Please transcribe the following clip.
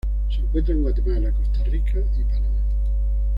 Se encuentra en Guatemala, Costa Rica y Panamá.